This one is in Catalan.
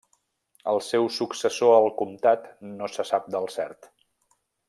El seu successor al comtat no se sap del cert.